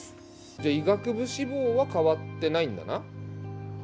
じゃあ医学部志望は変わってないんだな？